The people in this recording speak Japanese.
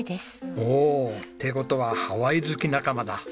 おお！って事はハワイ好き仲間だ。